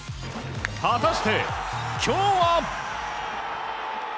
果たして今日は？